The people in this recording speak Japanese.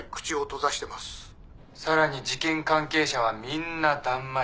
さらに事件関係者はみんなだんまり。